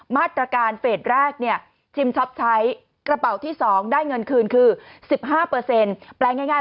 มาตรการเฟสแรกเนี่ยชิมช็อปใช้กระเป๋าที่๒ได้เงินคืนคือ๑๕แปลงง่าย